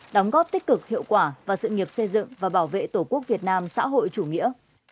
đóng góp tích cực hiệu quả vào sự nghiệp xây dựng và bảo vệ tổ quốc việt nam xã hội chủ nghĩa